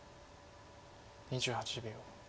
２８秒。